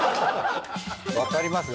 わかります？